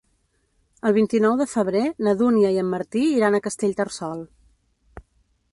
El vint-i-nou de febrer na Dúnia i en Martí iran a Castellterçol.